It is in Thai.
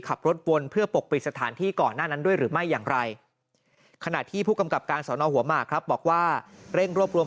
วนเพื่อปกปิดสถานที่ก่อนหน้านั้นด้วยหรือไม่อย่างไรขณะที่ผู้กำกับการสอนอหัวหมากครับบอกว่าเร่งรวบรวม